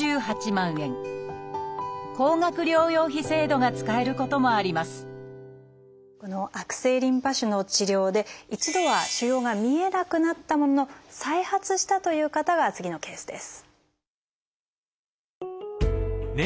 患者さんの状態にもよりますが例えばこの悪性リンパ腫の治療で一度は腫瘍が見えなくなったものの再発したという方が次のケースです。